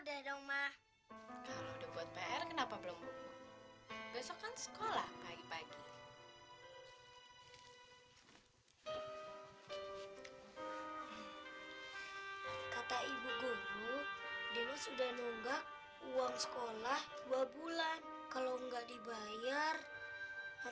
alhamdulillah terima kasih bu